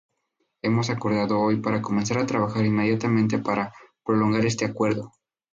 Hemos acordado hoy para comenzar a trabajar inmediatamente para prolongar este acuerdo.